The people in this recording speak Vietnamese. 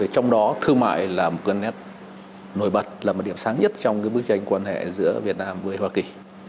trong đó thương mại là một cái nét nổi bật là một điểm sáng nhất trong cái bức tranh quan hệ giữa việt nam với hoa kỳ